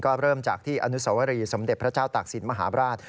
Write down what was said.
ก็เริ่มจากที่อนุสวรีสมเด็จพระเจ้าตากศิลปมหาบราช